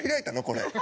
これ。